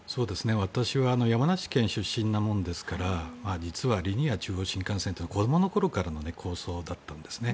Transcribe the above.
私は山梨県出身なものですから実はリニア中央新幹線というのは子どもの頃からの構想だったんですね。